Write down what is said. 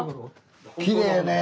きれいねぇ。